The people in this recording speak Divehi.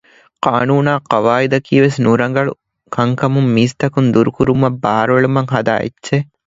ޤާނޫނާއި ޤަވާއިދަކީ ވެސް ނުރަނގަޅު ކަންކަމުން މީސްތަކުން ދުރުކުރުމަށް ބާރުއެޅުމަށް ހަދާ އެއްޗެއް